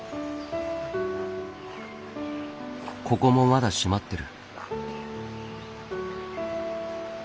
ここもまだ閉まってる。